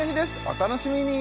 お楽しみに！